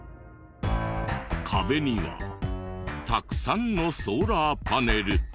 壁にはたくさんのソーラーパネル。